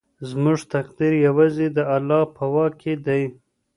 زموږ تقدیر یوازې د الله په واک کې دی.